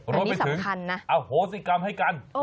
รวมไปถึงอโหสิกรรมให้กัน